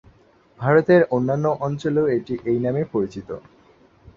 ভারতের অন্যান্য অঞ্চলেও এটি এই নামে পরিচিত।